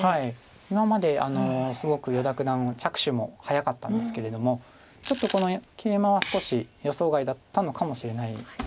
今まですごく依田九段は着手も早かったんですけれどもちょっとこのケイマは少し予想外だったのかもしれないですが。